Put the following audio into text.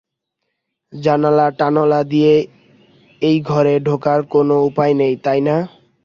জানালা-টানোলা দিয়ে এই ঘরে ঢোকার কোনো উপায় নেই, তাই না?